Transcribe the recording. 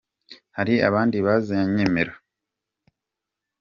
Hari ahandi bazanyemera.